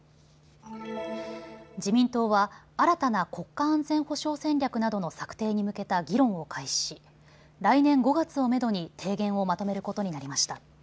自民党は新たな国家安全保障戦略などの策定に向けた議論を開始し来年５月をめどに提言をまとめることになりました。